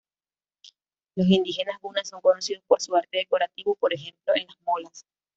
Los indígenas guna son conocidos por su arte decorativo, por ejemplo, en las molas.